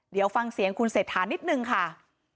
เดี๋ยวฟังเสียงคุณเศรษฐานิดนึงค่ะ